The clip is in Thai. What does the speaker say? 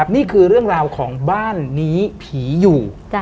นี่คือเรื่องราวของบ้านนี้ผีอยู่